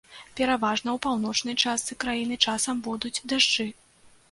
Пераважна ў паўночнай частцы краіны часам будуць дажджы.